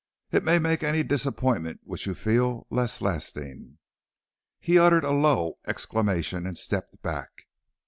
It may make any disappointment which you feel less lasting." He uttered a low exclamation and stepped back.